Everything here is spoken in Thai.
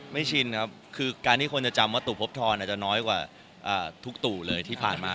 ชินครับคือการที่คนจะจำว่าตู่พบทรอาจจะน้อยกว่าทุกตู่เลยที่ผ่านมา